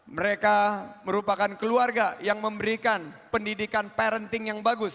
mereka merupakan keluarga yang memberikan pendidikan parenting yang bagus